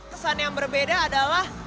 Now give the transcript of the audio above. kesan yang berbeda adalah